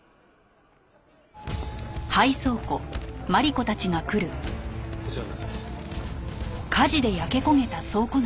こちらです。